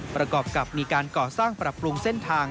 ประกอบกับมีการก่อสร้างปรับปรุงเส้นทาง